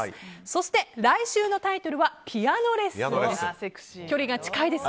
そして、来週のタイトルは「ピアノレッスン」です。